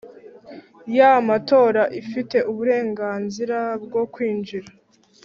y amatora ifite uburenganzira bwo kwinjira